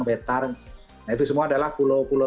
betar nah itu semua adalah pulau pulau